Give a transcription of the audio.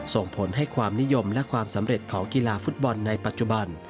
ส่งผลให้ความนิยมและความสำเร็จของกีฬาฟุตบอลในปัจจุบัน